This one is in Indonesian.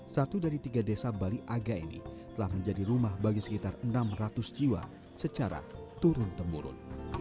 satu dari tiga desa bali aga ini telah menjadi rumah bagi sekitar enam ratus jiwa secara turun temurun